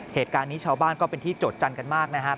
เหตุการณ์นี้ชาวบ้านก็เป็นที่โจทยันกันมากนะครับ